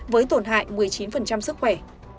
với tổn hại một mươi chín sức khỏe